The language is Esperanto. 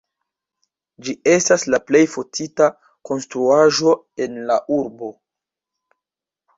Ĝi estas la plej fotita konstruaĵo en la urbo.